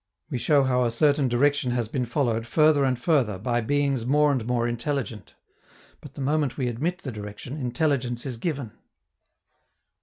We show how a certain direction has been followed further and further by beings more and more intelligent. But the moment we admit the direction, intelligence is given.